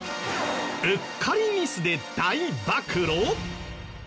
うっかりミスで大暴露！？